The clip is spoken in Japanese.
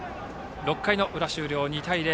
６回の裏終了、２対０。